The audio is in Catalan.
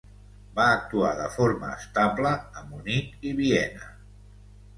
Va actuar de forma estable a Munic i Viena.